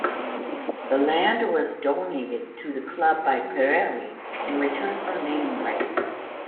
The land was donated to the club by Pirelli in return for naming rights.